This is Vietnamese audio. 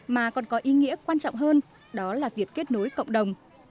mà còn có ý nghĩa quan trọng hơn đó là việc kết nối cộng đồng